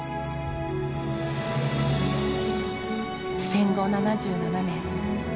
戦後７７年。